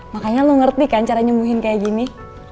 makanya lo ngerti kan cara nyembuhin kayak gini